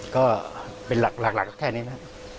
ก็เป็นหลักแค่นี้นะ